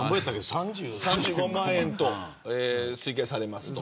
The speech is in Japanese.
３５万円と推計されます。